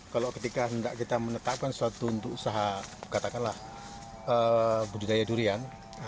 kalau ketika hendak kita menetapkan suatu untuk usaha katakanlah budidaya durian